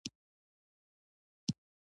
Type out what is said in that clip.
افسر دوربین واخیست او ویې ویل چې اوس یې پیدا کوم